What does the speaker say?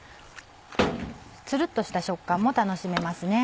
ツルっとした食感も楽しめますね。